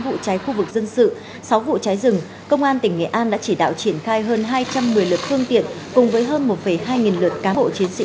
sáu vụ cháy khu vực dân sự sáu vụ cháy rừng công an tỉnh nghệ an đã chỉ đạo triển khai hơn hai trăm một mươi lượt phương tiện cùng với hơn một hai lượt cám bộ chiến sĩ